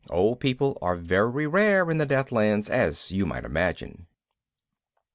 Old people are very rare in the Deathlands, as you might imagine.